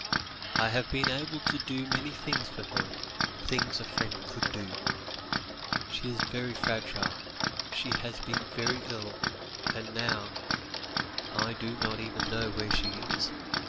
I have been able to do many things for her; things a friend could do. She is very fragile; she has been very ill, and now I do not even know where she is.